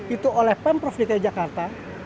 itu oleh pemprov dki jakarta